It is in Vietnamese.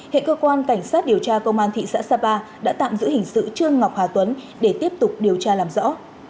hệ cơ quan cảnh sát điều tra công an thị xã sapa đã tạm giữ hình sự trương ngọc hà tuấn để tiếp tục điều tra làm rõ